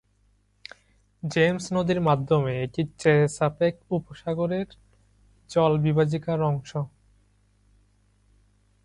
James নদীর মাধ্যমে, এটি চেসাপেক উপসাগরের জলবিভাজিকার অংশ।